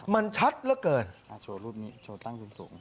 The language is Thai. มันชัดแล้วเกิน